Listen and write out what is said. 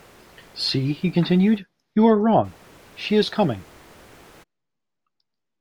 "See," he continued, "you are wrong: she is coming."